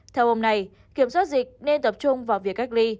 theo ông này kiểm soát dịch nên tập trung vào việc cách ly